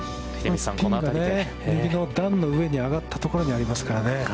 ピンが右の段に上がったところにありますからね。